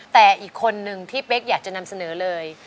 แต่อีกคนนึงที่เป๊กอยากจะนำเสนอเลย